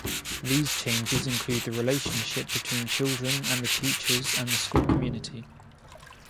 These changes included the relationship between children and the teachers and school community.